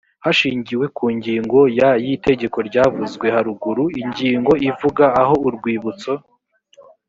hashingiwe ku ngingo ya y itegeko ryavuzwe haruguru ingingo ivuga aho urwibutso